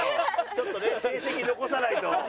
ちょっとね成績残さないと。